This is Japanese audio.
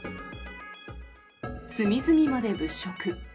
隅々まで物色。